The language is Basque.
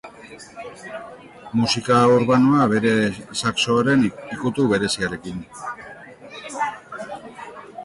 Musika urbanoa, bere saxoaren ikutu bereziarekin.